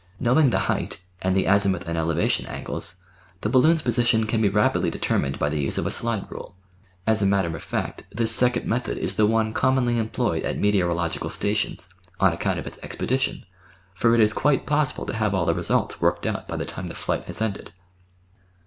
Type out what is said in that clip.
Knowing the height and the azimuth and elevation angles, the balloon's position can be rapidly determined by the use of a slide rule. As a matter of fact, this second method is the one commonly employed at The Science of the Weather 707 meteorological stations, on account of its expedition, for it is quite possible to have all the results worked out by the time the flight has ended.